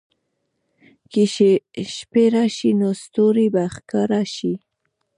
که شپې راشي، نو ستوري به ښکاره شي.